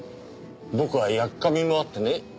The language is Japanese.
僕はやっかみもあってね